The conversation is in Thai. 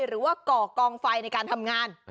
หรือว่าก่อกองไฟในการทำงาน